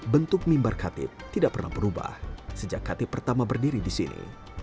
bentuk mimbar khatib tidak pernah berubah sejak hatib pertama berdiri di sini